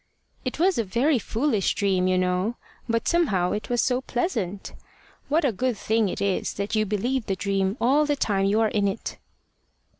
"It was a very foolish dream, you know. But somehow it was so pleasant! What a good thing it is that you believe the dream all the time you are in it!"